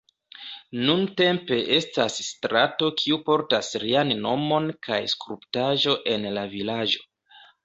Nuntempe estas strato kiu portas lian nomon kaj skulptaĵo en la vilaĝo.